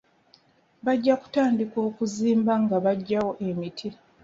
Bajja kutandika okuzimba nga bagyawo emiti.